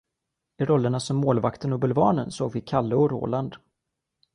I rollerna som målvakten och bulvanen såg vi Kalle och Roland.